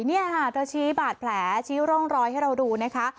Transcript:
นี่ค่ะเธอชี้บาดแผลชี้ร่องรอยให้เราดูนะคะ